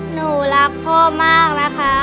หนูรักพ่อมากนะคะ